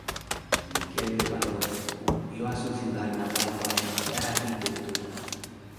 Miquel de Palol volvió a su ciudad natal para estudiar arquitectura.